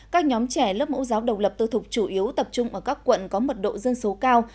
các nhóm trẻ lớp mẫu giáo độc lập tư thục chủ yếu tập trung ở các quận có mật độ dân số cao